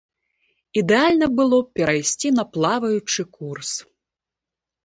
Ідэальна было б перайсці на плаваючы курс.